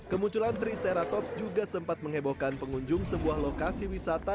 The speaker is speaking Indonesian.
kemunculan triceratops juga sempat mengebohkan pengunjung sebuah lokasi wisata